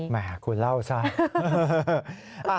แห่คุณเล่าซะ